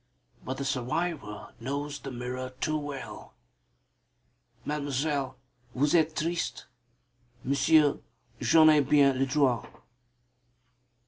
But the survivor knows the mirror too well. "Mademoiselle, vous etes triste." "Monsieur, j'en ai bien le droit."